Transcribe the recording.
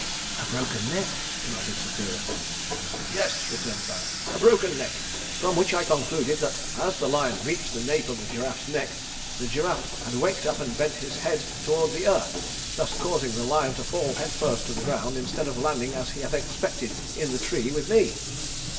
"A broken neck?" demanded Sapphira. "Yes," returned the Baron. "A broken neck! From which I concluded that as the lion reached the nape of the giraffe's neck, the giraffe had waked up and bent his head toward the earth, thus causing the lion to fall head first to the ground instead of landing as he had expected in the tree with me."